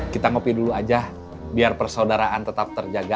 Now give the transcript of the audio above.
kita ngopi dulu aja biar persaudaraan tetap terjaga